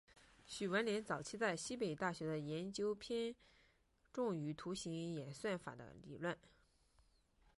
许闻廉早期在西北大学的研究偏重于图形演算法的理论。